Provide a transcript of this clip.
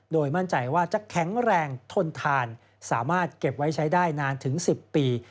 โดยมั่นใจว่าจะแข็งแรงทนทานสามารถเก็บไว้ใช้ได้นานถึง๑๐ปี